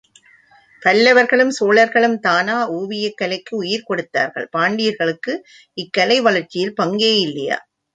பல்லவர்களும் சோழர்களும் தானா ஓவியக் கலைக்கு உயிர் கொடுத்தார்கள், பாண்டியர்களுக்கு இக்கலை வளர்ச்சியில் பங்கே இல்லையா?